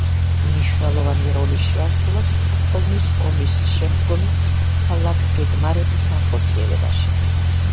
მნიშვნელოვანი როლი შეასრულა სტოკჰოლმის ომის შემდგომი ქალაქგეგმარების განხორციელებაში.